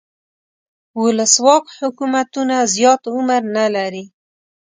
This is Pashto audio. ولسواک حکومتونه زیات عمر نه لري.